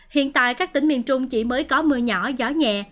hiện tại các tỉnh miền trung chỉ mới có mưa nhỏ gió nhẹ